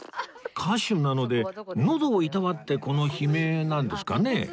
歌手なのでのどをいたわってこの悲鳴なんですかね？